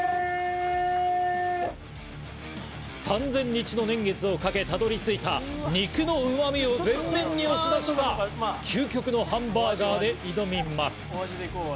３０００日の年月をかけ、たどり着いた肉のうまみを前面に押し出した究極のハンバーガーで挑みます。